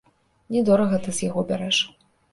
Не дорага ты з яго бярэш.